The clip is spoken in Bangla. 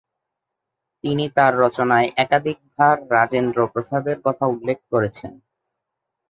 তিনি তার রচনায় একাধিকবার রাজেন্দ্র প্রসাদের কথা উল্লেখ করেছেন।